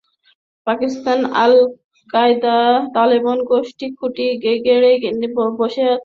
পাকিস্তানে আল-কায়েদা, তালেবান গোষ্ঠীর খুঁটি গেড়ে বসার পেছনে আইএসআইয়ের ভূমিকা সুবিদিত।